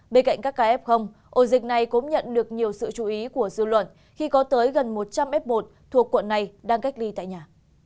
bên cạnh các ca f ổ dịch này cũng nhận được nhiều sự chú ý của dư luận khi có tới gần một trăm linh f một thuộc quận này đang cách ly tại nhà